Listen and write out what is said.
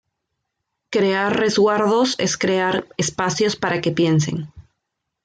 Crear resguardos es crear espacios para que piensen.